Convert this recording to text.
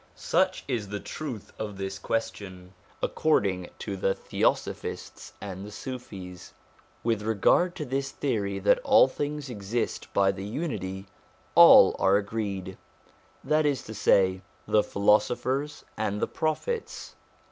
Such is the truth of this question according to the Theosophists and the Sufis. Briefly, with regard to this theory that all things exist by the Unity, all are agreed that is to say, the philosophers and the Prophets.